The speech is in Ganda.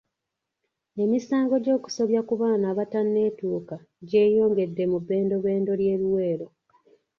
Emisango gy'okusobya ku baana abatanneetuuka gyeyongedde mu bbendobendo ly'e Luweero.